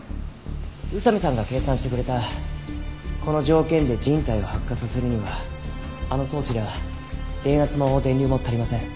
宇佐見さんが計算してくれたこの条件で人体を発火させるにはあの装置では電圧も電流も足りません。